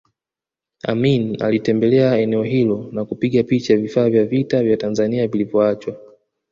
Amin alitembelea eneo hilo na kupiga picha vifaa vya vita vya Tanzania vilivyoachwa